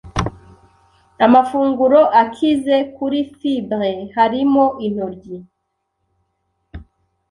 Amafunguro akize kuri fibre harimo intoryi,